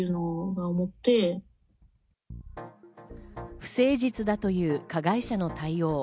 不誠実だという加害者の対応。